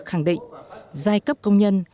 khẳng định giai cấp công nhân